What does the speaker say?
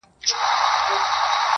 • ورځي د وريځي يارانه مــاتـه كـړه.